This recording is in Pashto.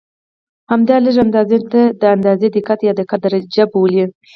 همدې لږې اندازې ته د اندازې دقت یا دقت درجه بولي.